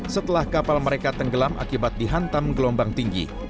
setelah kapal mereka tenggelam akibat dihantam gelombang tinggi